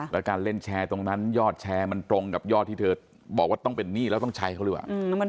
แล้วการเล่นแชร์ตรงนั้นยอดแชร์มันตรงกับยอดที่เธอบอกว่าต้องเป็นหนี้แล้วต้องใช้เขาหรือเปล่า